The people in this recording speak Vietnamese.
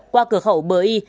qua cửa khẩu bờ y